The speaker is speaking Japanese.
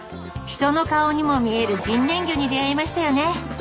人の顔にも見える人面魚に出会いましたよね。